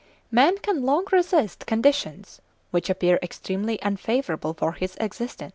Man can long resist conditions which appear extremely unfavourable for his existence.